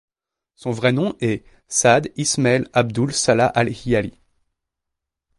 Son vrai nom est Saad Ismael Abdul Salah al Hiyali.